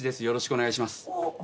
よろしくお願いします。